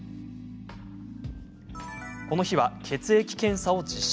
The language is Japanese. この日は血液検査を実施。